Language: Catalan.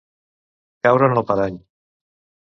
Caure en el parany.